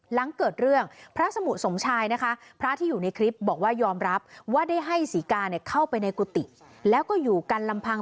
หลังเกิดเรื่องพระสมุสมชายนะคะ